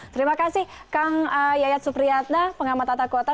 terima kasih kang yayat supriyatna pengamat atakota